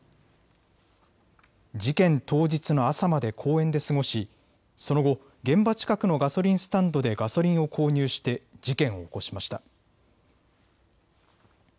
事件当日の朝まで公園で過ごしその後、現場近くのガソリンスタンドでガソリンを購入して事件を起こしました。